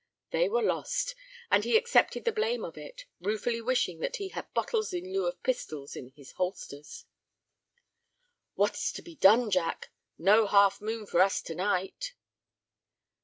They were lost, and he accepted the blame of it, ruefully wishing that he had bottles in lieu of pistols in his holsters. "What's to be done, Jack? No 'Half Moon' for us to night."